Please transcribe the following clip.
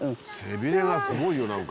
背びれがすごいよ。